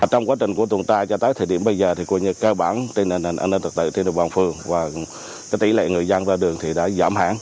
trong quá trình của tổ tuần tra cho tới thời điểm bây giờ thì cơ bản tình hình an ninh thực tự tình hình bằng phương và tỷ lệ người dân ra đường thì đã giảm hãng